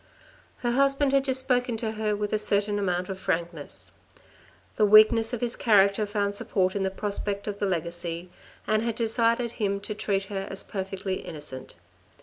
Her husband had just spoken to her with a certain amount of frankness. The weakness of his character found support in the prospect of the legacy, and had decided him to treat her as perfectly innocent.